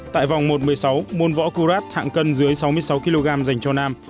tại vòng một một mươi sáu môn võ cưu rát hạng cân dưới sáu mươi sáu kg dành cho nam